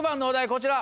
こちら。